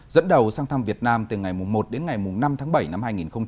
dẫn đầu sang thăm việt nam từ ngày một đến ngày năm tháng bảy năm hai nghìn hai mươi